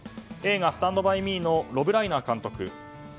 映画「スタンド・バイ・ミー」のロブ・ライナー監督